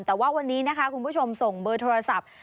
แต่ว่าวันนี้นะคะคุณผู้ชมส่งเบอร์โทรศัพท์